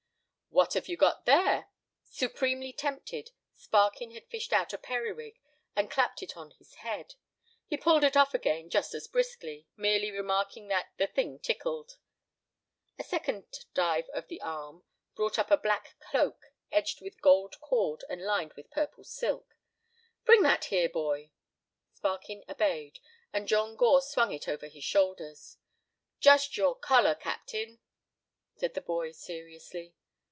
"What have you got there?" Supremely tempted, Sparkin had fished out a periwig and clapped it on his head. He pulled it off again just as briskly, merely remarking that "the thing tickled." A second dive of the arm brought up a black cloak edged with gold cord and lined with purple silk. "Bring that here, boy." Sparkin obeyed, and John Gore swung it over his shoulders. "Just your color, captain," said the boy, seriously.